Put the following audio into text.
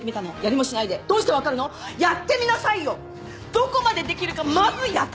どこまでできるかまずやってみなさい！